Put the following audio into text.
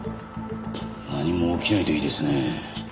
何も起きないといいですね。